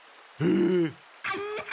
えっ？